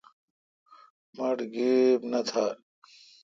مٹھ گیب نہ تھال۔